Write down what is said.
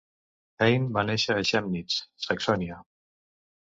Heyne va néixer a Chemnitz, Saxònia.